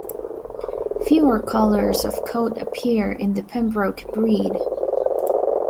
Fewer colours of coat appear in the Pembroke breed.